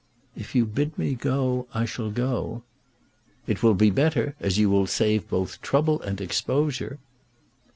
"If you bid me go, I shall go." "It will be better, as you will save both trouble and exposure."